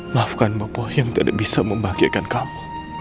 maafkan bapak yang tidak bisa membahagiakan kamu